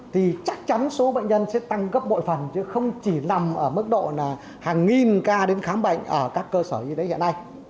thì chắc chắn số bệnh nhân sẽ tăng gấp bội phần chứ không chỉ nằm ở mức độ là hàng nghìn ca đến khám bệnh ở các cơ sở y tế hiện nay